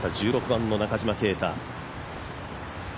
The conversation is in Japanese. １６番の中島啓太。